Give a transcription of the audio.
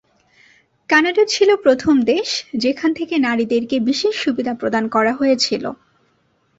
Canada ছিল প্রথম দেশ যেখান থেকে নারীদেরকে বিশেষ সুবিধা প্রদান করা হয়েছিল।